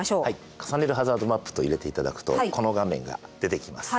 「重ねるハザードマップ」と入れていただくとこの画面が出てきます。